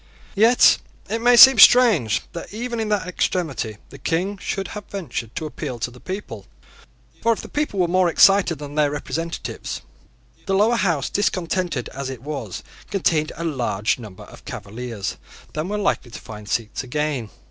Yet it may seem strange that, even in that extremity, the King should have ventured to appeal to the people; for the people were more excited than their representatives. The Lower House, discontented as it was, contained a larger number of Cavaliers than were likely to find seats again.